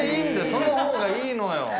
その方がいいのよ！